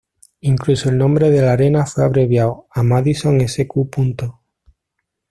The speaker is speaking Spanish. Incluso el nombre de la arena fue abreviado, a Madison Sq.